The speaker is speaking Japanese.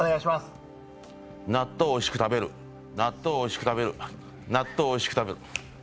納豆おいしく食べる納豆おいしく食べる、納豆おいしく食べる。